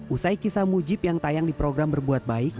usai kisah mujib yang tayang di program berbuat baik